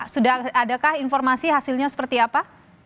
sudah adakah informasi hasilnya seperti apa